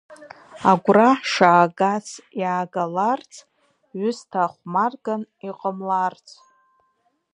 Агәра шаагац иаагаларц, ҩысҭаа хәмарган иҟамларц.